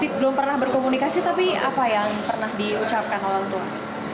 belum pernah berkomunikasi tapi apa yang pernah diucapkan orang tua